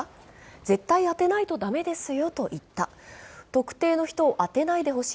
絶対当てないと駄目ですよと言った。